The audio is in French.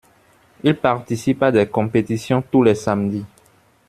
Il participe à des compétitions tous les samedis.